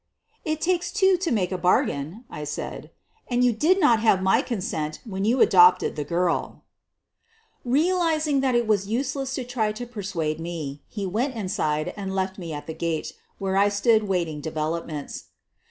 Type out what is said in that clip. '' "It takes two to make a bargain," I said, "and you did not get my consent when you adopted the girl." QUEEN OF THE BURGLAES 23 Realizing that it was useless to try to persuade me, he went inside and left me at the gate, where I stood waiting developments.